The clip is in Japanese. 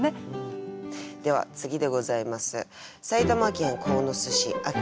では次でございます。